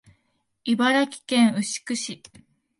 茨城県牛久市